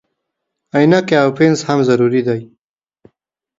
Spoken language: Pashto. عینکې او پنس هم ضروري دي.